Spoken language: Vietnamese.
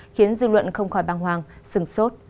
khiến dư luận không khỏi băng hoàng sừng sốt